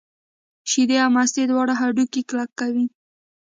شیدې او مستې دواړه هډوکي کلک کوي.